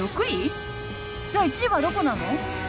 じゃあ１位はどこなの？